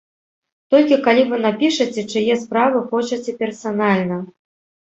Толькі калі вы напішаце, чые справы хочаце персанальна.